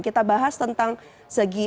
kita bahas tentang segitiga